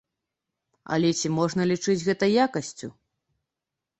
Але ці можна лічыць гэта якасцю.